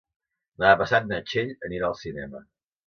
Demà passat na Txell anirà al cinema.